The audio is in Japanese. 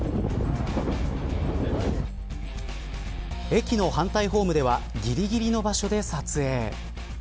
駅の反対ホームではぎりぎりの場所で撮影。